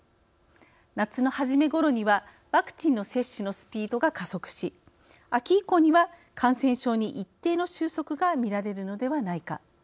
夏の初めごろにはワクチンの接種のスピードが加速し秋以降には感染症に一定の収束がみられるのではないか。